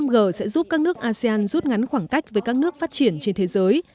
năm g sẽ giúp các nước asean rút ngắn khoảng cách với các nước phát triển trên thế giới